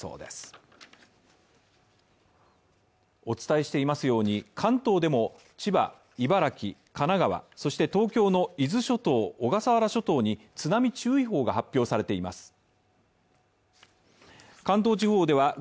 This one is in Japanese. お伝えしていますように、関東でも千葉、茨城、神奈川、そして東京の伊豆諸島小笠原諸島に津波注意報が発表されています。